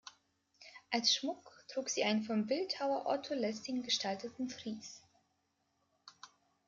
Als Schmuck trug sie einen vom Bildhauer Otto Lessing gestalteten Fries.